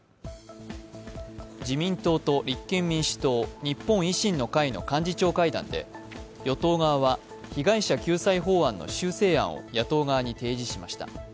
自民党と立憲民主党、日本維新の会の幹事長会談で与党側は被害者救済法案の修正案を野党側に提示しました。